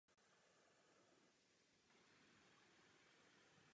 Dle jiných zdrojů se však ve východní Evropě nevyskytuje.